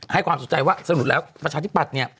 ให้ความสนใจว่าสรุปแล้วประชาธิปัตย์เนี่ย